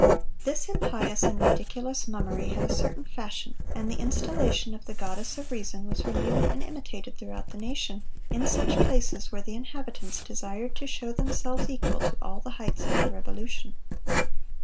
"This impious and ridiculous mummery had a certain fashion; and the installation of the Goddess of Reason was renewed and imitated throughout the nation, in such places where the inhabitants desired to show themselves equal to all the heights of the Revolution."